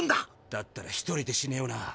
だったら１人で死ねよな。